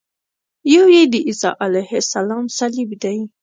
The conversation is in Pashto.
یو یې د عیسی علیه السلام صلیب دی.